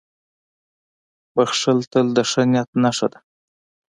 • بښل تل د ښه نیت نښه ده.